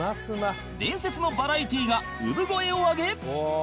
伝説のバラエティが産声を上げ